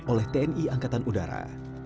oleh tni angkatan udara